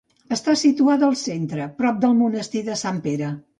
Està situada al centre, prop del monestir de Sant Pere.